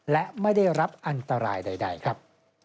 และไม่ได้รับอันตรายใดครับ